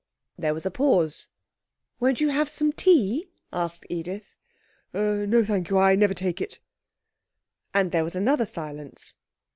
There was a pause. 'Won't you have some tea?' asked Edith. 'No, thank you. I never take it.' And there was another silence.